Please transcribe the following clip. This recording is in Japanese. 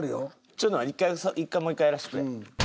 ちょっと１回１回もう１回やらせてくれ。